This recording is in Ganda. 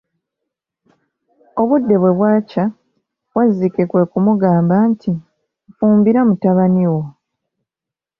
Obudde bwe bwakya, wazzike kwe kumugamba nti, nfumbira mutabani wo.